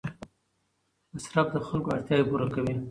مصرف د خلکو اړتیاوې پوره کوي.